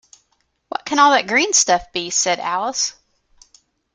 ‘What can all that green stuff be?’ said Alice.